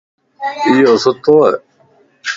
ايو سُتوائي